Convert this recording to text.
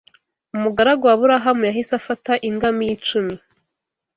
Umugaragu wa Aburahamu yahise afata ingamiya icumi